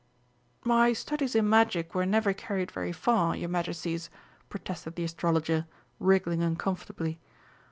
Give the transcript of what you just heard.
"My studies in Magic were never carried very far, your Majesties," protested the Astrologer, wriggling uncomfortably.